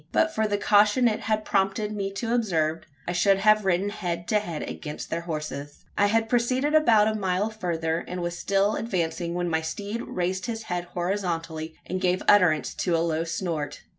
But for the caution it had prompted me to observe, I should have ridden head to head against their horses! I had proceeded about a mile further, and was still advancing when my steed raised his head horizontally, and gave utterance to a low snort.